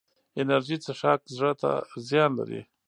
انرژي څښاک زړه ته زیان لري